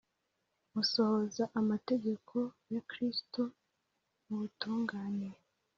Musohoza amategeko ya Kristo mu butungane